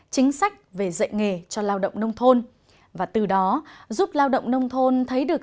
chính sách về dạy nghề cho lao động nông thôn và từ đó giúp lao động nông thôn thấy được